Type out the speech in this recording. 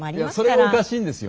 それがおかしいんですよ。